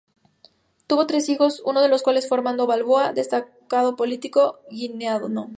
Tuvo tres hijos, uno de los cuales fue Armando Balboa, destacado político guineano.